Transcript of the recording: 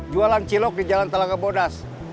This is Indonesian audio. jualan cilok di jalan telaga bodas